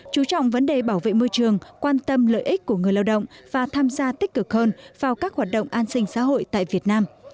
chú trọng vấn đề bảo vệ môi trường quan tâm lợi ích của người lao động và tham gia tích cực hơn vào các hoạt động an sinh xã hội tại việt nam